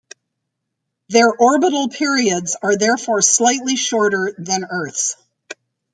Their orbital periods are therefore slightly shorter than Earth's.